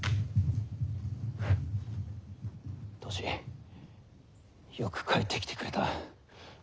歳よく帰ってきてくれた。